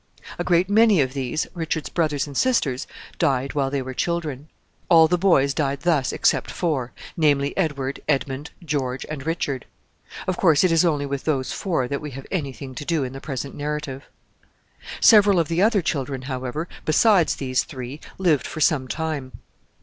A great many of these, Richard's brothers and sisters, died while they were children. All the boys died thus except four, namely, Edward, Edmund, George, and Richard. Of course, it is only with those four that we have any thing to do in the present narrative. Several of the other children, however, besides these three, lived for some time.